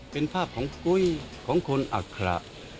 เป็นภาพของกุ้ยของคนอัคระ